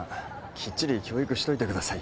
きっちり教育しといてください